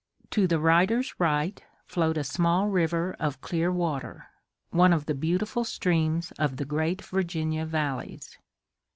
To the rider's right flowed a small river of clear water, one of the beautiful streams of the great Virginia valleys.